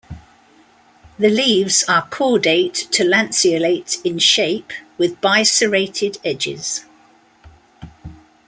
The leaves are cordate to lanceolate in shape with biserrated edges.